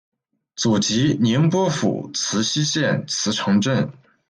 祖籍宁波府慈溪县慈城镇。